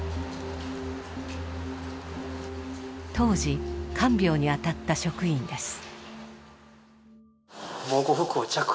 当時看病にあたった職員です。